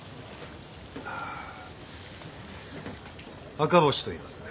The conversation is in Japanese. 赤星といいます。